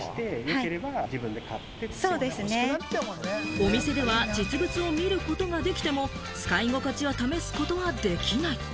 お店では実物を見ることができても、使い心地を試すことはできない。